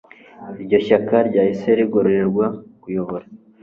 iryo shyaka ryahise rigororerwa kuyobora